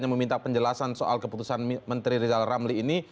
yang meminta penjelasan soal keputusan menteri rizal ramli ini